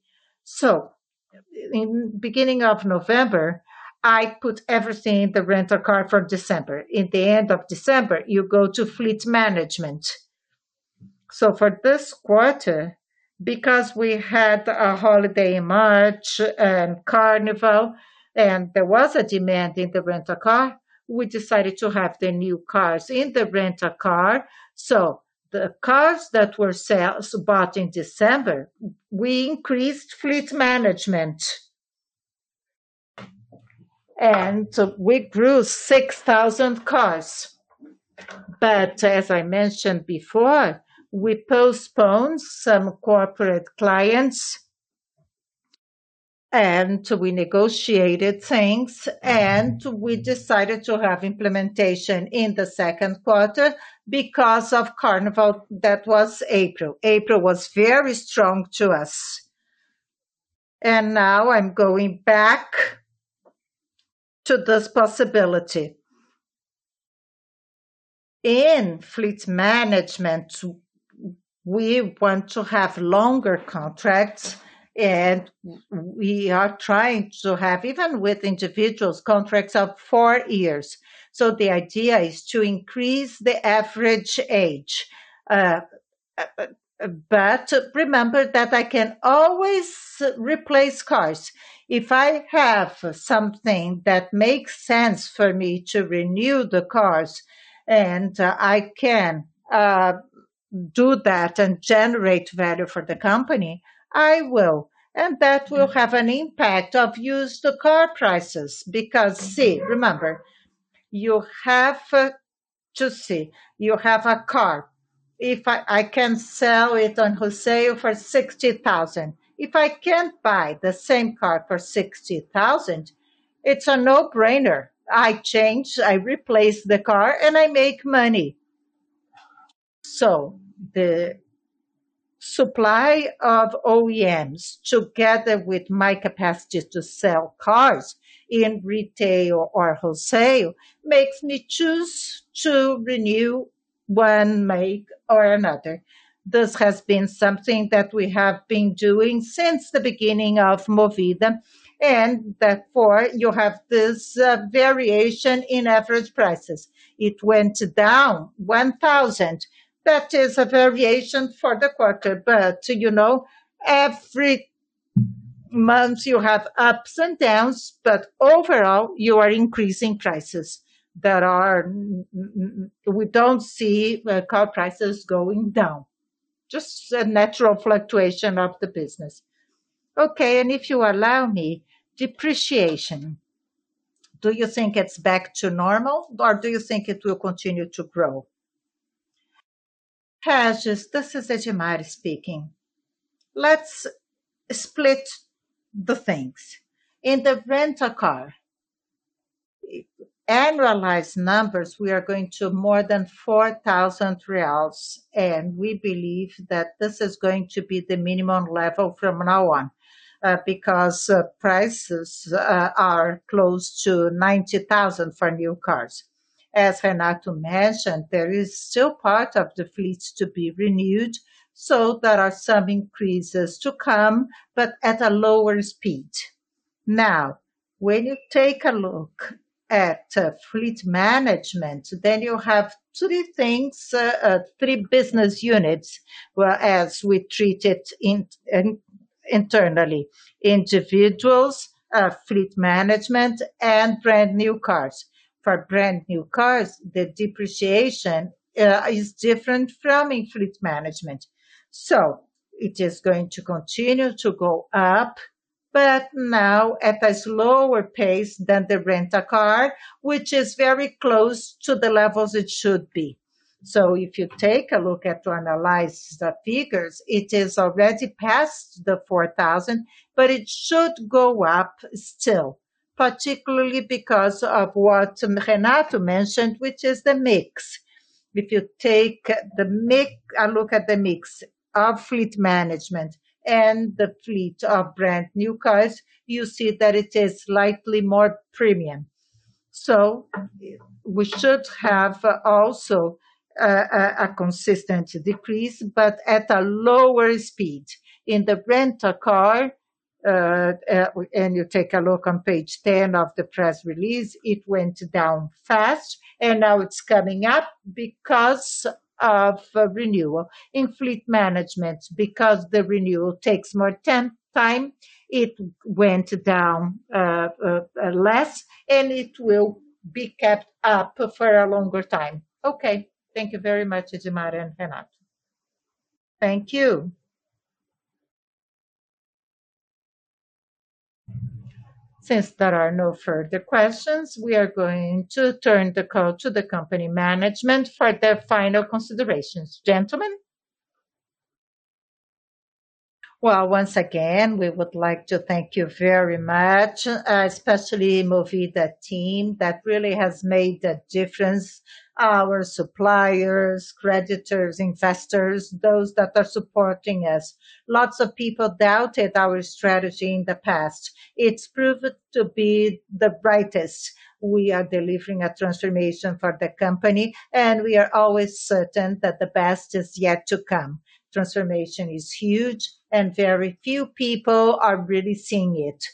In beginning of November, I put everything in the Rent-a-Car for December. In the end of December, you go to Fleet Management. For this quarter, because we had a holiday in March and Carnival, and there was a demand in the Rent-a-Car, we decided to have the new cars in the Rent-a-Car. The cars that were bought in December, we increased Fleet Management. We grew 6,000 cars. As I mentioned before, we postponed some corporate clients, and we negotiated things, and we decided to have implementation in the second quarter because of Carnival. That was April. April was very strong to us. Now I'm going back to this possibility. In Fleet Management, we want to have longer contracts, and we are trying to have, even with individuals, contracts of four years. The idea is to increase the average age. But remember that I can always replace cars. If I have something that makes sense for me to renew the cars and I can do that and generate value for the company, I will. That will have an impact on used car prices. Because, see, remember, you have to see, you have a car. If I can sell it on wholesale for 60,000. If I can't buy the same car for 60,000, it's a no-brainer. I change, I replace the car, and I make money. The supply of OEMs together with my capacity to sell cars in retail or wholesale makes me choose to renew one make or another. This has been something that we have been doing since the beginning of Movida, and therefore, you have this variation in average prices. It went down 1,000. That is a variation for the quarter. You know, every month you have ups and downs, but overall, you are increasing prices. We don't see car prices going down. Just a natural fluctuation of the business. Okay, and if you allow me, depreciation. Do you think it's back to normal, or do you think it will continue to grow? Regis, this is Edmar speaking. Let's split the things. In the Rent-a-Car, annualized numbers, we are going to more than 4,000 reais, and we believe that this is going to be the minimum level from now on, because prices are close to 90,000 for new cars. As Renato mentioned, there is still part of the fleet to be renewed, so there are some increases to come, but at a lower speed. Now, when you take a look at fleet management, then you have three business units, as we treat it internally. Individuals, fleet management, and brand-new cars. For brand-new cars, the depreciation is different from in fleet management. It is going to continue to go up, but now at a slower pace than the Rent-a-Car, which is very close to the levels it should be. If you take a look at, analyze the figures, it is already past the 4,000, but it should go up still. Particularly because of what Renato mentioned, which is the mix. If you take a look at the mix of fleet management and the fleet of brand-new cars, you see that it is slightly more premium. We should have also a consistent decrease, but at a lower speed. In the Rent-a-Car, and you take a look on page 10 of the press release, it went down fast, and now it's coming up because of renewal. In Fleet Management, because the renewal takes more time, it went down less, and it will be kept up for a longer time. Okay. Thank you very much, Edmar and Renato. Thank you. Since there are no further questions, we are going to turn the call to the company management for their final considerations. Gentlemen? Well, once again, we would like to thank you very much, especially Movida team that really has made a difference. Our suppliers, creditors, investors, those that are supporting us. Lots of people doubted our strategy in the past. It's proved to be the brightest. We are delivering a transformation for the company, and we are always certain that the best is yet to come. Transformation is huge, and very few people are really seeing it.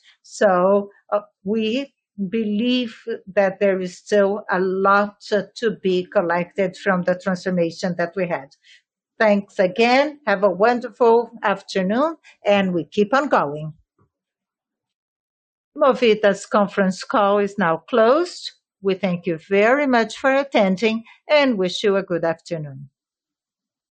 We believe that there is still a lot to be collected from the transformation that we had. Thanks again. Have a wonderful afternoon, and we keep on going. Movida's conference call is now closed. We thank you very much for attending and wish you a good afternoon.